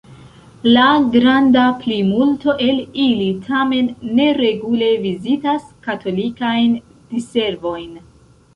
La granda plimulto el ili tamen ne regule vizitas katolikajn diservojn.